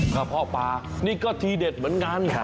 เพาะปลานี่ก็ทีเด็ดเหมือนกัน